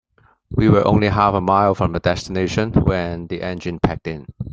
We were only half a mile from the destination when the engine packed in.